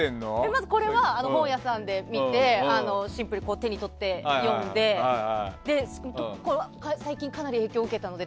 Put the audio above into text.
まずこれは本屋さんで見てシンプルに手に取って、読んで最近かなり影響を受けて。